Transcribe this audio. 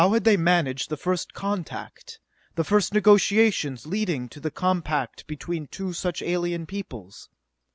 How had they managed the first contact, the first negotiations leading to the compact between two such alien peoples?